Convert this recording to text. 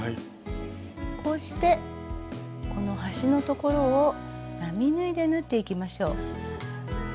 こうしてこの端の所を並縫いで縫っていきましょう。